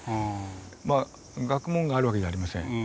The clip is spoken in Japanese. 学問があるわけじゃありません。